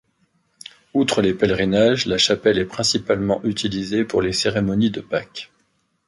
Outre les pèlerinages, la chapelle est principalement utilisée pour les cérémonies de Pâques.